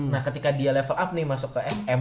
nah ketika dia level up nih masuk ke sm